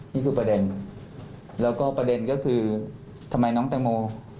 นี่คือประเด็นแล้วก็ประเด็นก็คือทำไมน้องแตงโม